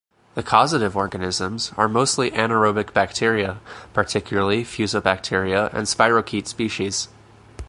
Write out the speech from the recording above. The causative organisms are mostly anaerobic bacteria, particularly Fusobacteria and spirochete species.